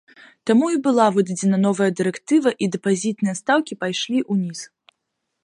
Таму і была выдадзеная новая дырэктыва, і дэпазітныя стаўкі пайшлі ўніз.